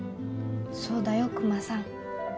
そうだよクマさん。